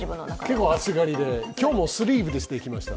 結構暑がりで、今日もスリーブレスで来ました。